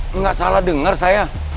enggak salah denger saya